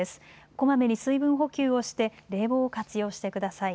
こまめに水分補給をして冷房を活用してください。